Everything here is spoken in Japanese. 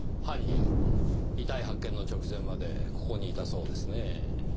犯人遺体発見の直前までここにいたそうですねぇ。